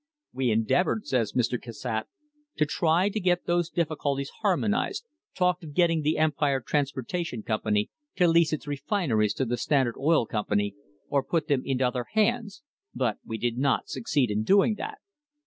"We endeavoured," says Mr. Cassatt, "to try to get those difficulties harmonised, talked of getting the Empire Transportation Company to lease its refineries to the Stand ard Oil Company, or put them into other hands, but we did not succeed in doing that."